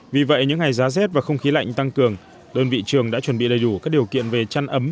vì vậy những ngày giá rét và không khí lạnh tăng cường đơn vị trường đã chuẩn bị đầy đủ các điều kiện về chăn ấm